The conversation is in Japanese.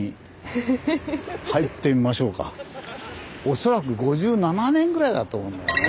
恐らく５７年ぐらいだと思うんだよね。